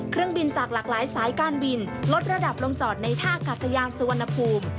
เครื่องบินจากหลากหลายสายการบินลดระดับลงจอดในท่ากาศยานสุวรรณภูมิ